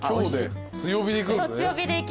強火でいくんすね。